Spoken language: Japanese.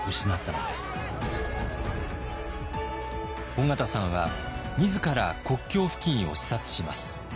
緒方さんは自ら国境付近を視察します。